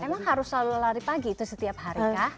emang harus selalu lari pagi itu setiap hari kah